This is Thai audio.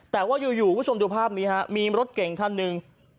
แต่ว่าอยู่คุณผู้ชมดูภาพนี้ฮะมีรถเก่งคันหนึ่ง